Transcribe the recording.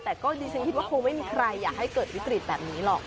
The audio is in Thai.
แต่ก็ดิฉันคิดว่าคงไม่มีใครอยากให้เกิดวิกฤตแบบนี้หรอก